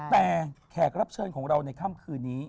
แต่แขกรับเชิญของเราในค่ำคืนนี้